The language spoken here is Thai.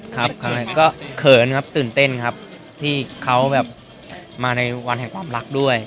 ครับก็เขินครับตื่นเต้นครับที่เขาแบบมาในวันแห่งความรักด้วย